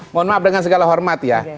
mohon maaf dengan segala hormat ya